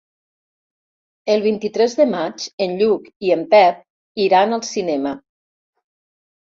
El vint-i-tres de maig en Lluc i en Pep iran al cinema.